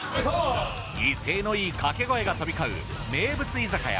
威勢のいい掛け声が飛び交う名物居酒屋